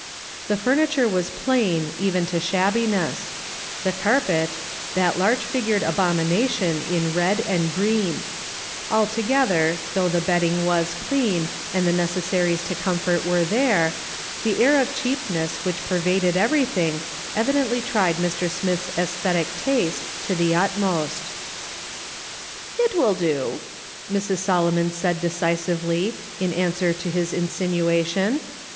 The furniture was plain, even to shabbiness; the carpet, that large figured abomination in red and green ; altogether, though the bedding was clean, and the necessaries to com fort were there, the air of cheapness which pervaded everything evidently tried Mr. Smith's aesthetic taste to the utmost. " It will do," Mrs. Solomon said decisively, in answer to his insinuation.